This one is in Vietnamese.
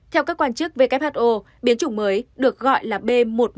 theo các quan chức who biến chủng mới được gọi là b một một năm trăm hai mươi chín